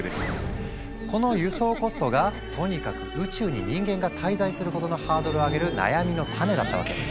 この輸送コストがとにかく宇宙に人間が滞在することのハードルを上げる悩みの種だったわけ。